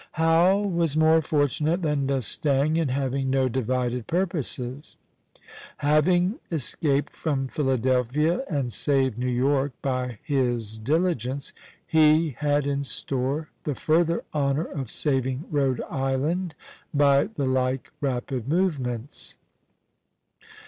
Howe was more fortunate than D'Estaing, in having no divided purposes. Having escaped from Philadelphia and saved New York by his diligence, he had in store the further honor of saving Rhode Island by the like rapid movements.